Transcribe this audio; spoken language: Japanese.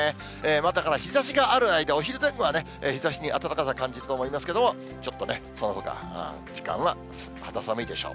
だから日ざしがある間、お昼前後は、日ざしにあたたかさを感じると思いますけれども、ちょっと、そのほかの時間は肌寒いでしょう。